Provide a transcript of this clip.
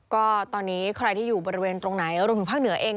ก็ตอนนี้ใครที่อยู่บริเวณตรงไหนรวมถึงภาคเหนือเอง